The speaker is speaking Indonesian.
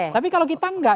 tapi kalau kita tidak